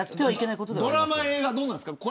ドラマ、映画どうなんですか。